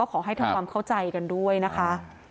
ขอให้ทำความเข้าใจกันด้วยนะคะ